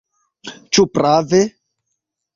Ĉu prave?